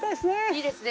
いいですね。